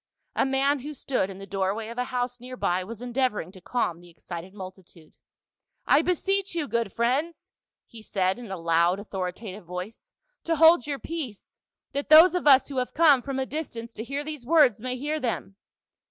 A man who stood in the doorway of a house near by was endeavoring to calm the excited multitude. " I beseech you, good friends !" he said in a loud authoritative voice, " to hold your peace, that those of us who have come from a distance to hear these words may hear them